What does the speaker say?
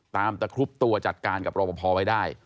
ตามตระคุบตัวจัดการกับรอบพอร์ไว้ได้